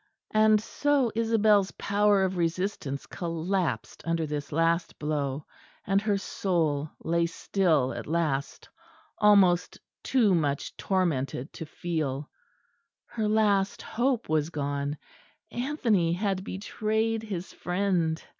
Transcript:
And so Isabel's power of resistance collapsed under this last blow; and her soul lay still at last, almost too much tormented to feel. Her last hope was gone; Anthony had betrayed his friend.